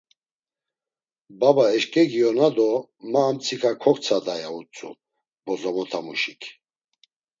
Baba eşǩegiyona do ma amtsiǩa koktsada', ya utzu bozomotamuşik.